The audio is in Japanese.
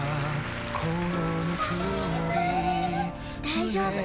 大丈夫。